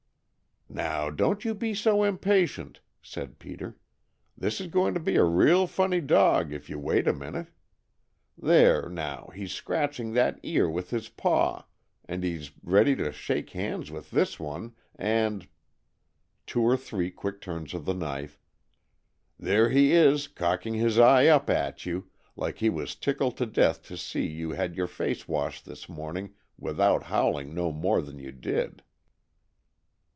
"Now, don't you be so impatient," said Peter. "This is going to be a real funny dog, if you wait a minute. There, now, he's scratching that ear with this paw, and he's ready to shake hands with this one, and" two or three quick turns of the knife "there he is, cocking his eye up at you, like he was tickled to death to see you had your face washed this morning without howling no more than you did."